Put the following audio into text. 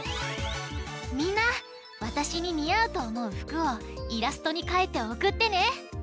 みんなわたしににあうとおもうふくをイラストにかいておくってね！